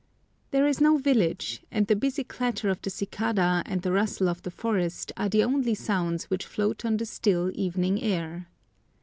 There is no village, and the busy clatter of the cicada and the rustle of the forest are the only sounds which float on the still evening air.